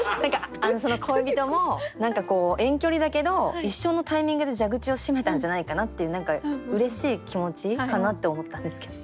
その恋人も何かこう遠距離だけど一緒のタイミングで蛇口を閉めたんじゃないかなっていう何かうれしい気持ちかなって思ったんですけど。